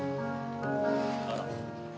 あら。